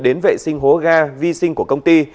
đến vệ sinh hố ga vi sinh của công ty